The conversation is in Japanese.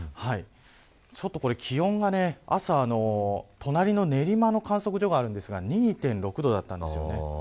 ちょっと、これ気温が朝隣の練馬の観測所があるんですが２．６度だったんです。